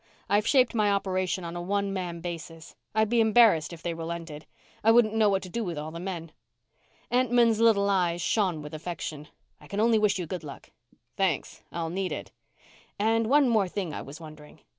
I've shaped my operation on a one man basis. I'd be embarrassed if they relented. I wouldn't know what to do with all the men." Entman's little eyes shone with affection. "I can only wish you good luck." "Thanks. I'll need it." "And one more thing I was wondering."